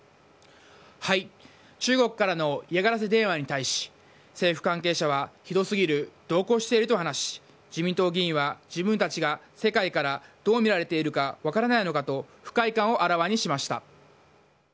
中国からの嫌がらせ電話に対し、政府関係者は、ひどすぎる、度を超していると話し、自民党議員は、自分たちが世界からどう見られているか分からないのかと不快感をあらわにしました。